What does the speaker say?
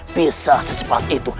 bisa secepat itu